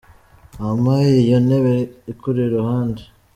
Wampaye iyo ntebe ikuri iruhande?